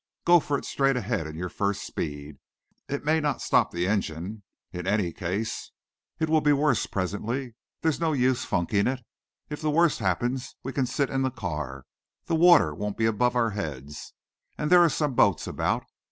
Go for it straight ahead in your first speed. It may not stop the engine. In any case, it will be worse presently. There's no use funking it. If the worst happens, we can sit in the car. The water won't be above our heads and there are some boats about.